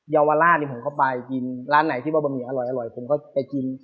เยาวราชผมก็ไปกินร้านไหนที่ว่าบะหมี่อร่อยผมก็ไปกิน